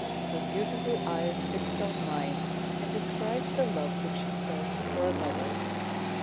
Her beautiful eyes fixed on mine, and describes the love which she felt for another.